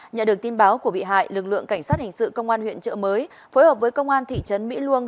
nhận được tin báo của bị hại lực lượng cảnh sát hình sự công an huyện trợ mới phối hợp với công an thị trấn mỹ luông